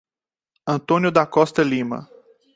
Antônio da Costa Lima